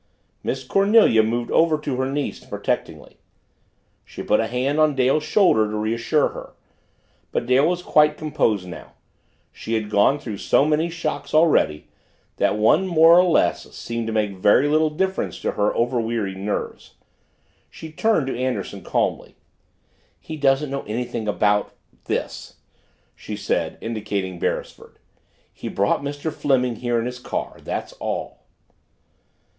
Miss Cornelia moved over to her niece protectingly. She put a hand on Dale's shoulder to reassure her. But Dale was quite composed now she had gone through so many shocks already that one more or less seemed to make very little difference to her overwearied nerves. She turned to Anderson calmly. "He doesn't know anything about this," she said, indicating Beresford. "He brought Mr. Fleming here in his car that's all."